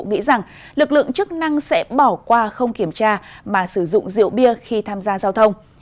nghĩ rằng lực lượng chức năng sẽ bỏ qua không kiểm tra mà sử dụng rượu bia khi tham gia giao thông